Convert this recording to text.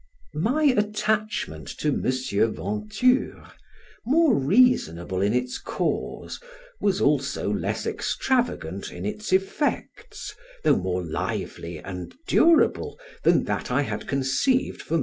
My attachment to M. Venture, more reasonable in its cause, was also less extravagant in its effects, though more lively and durable than that I had conceived for M.